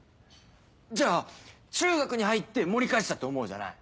じゃあ中学に入って盛り返したって思うじゃない？